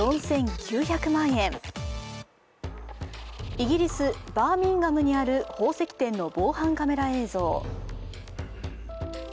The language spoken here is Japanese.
イギリス・バーミンガムにある宝石店の防犯カメラ映像。